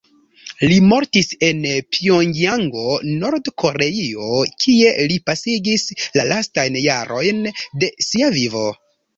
Li mortis en Pjongjango, Nord-Koreio kie li pasigis la lastajn jarojn de sia vivo.